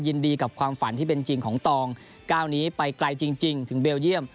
ยินดีกับความฝันที่เป็นจริงของตองก้าวนี้ไปไกลจริงถึงเบลเยี่ยม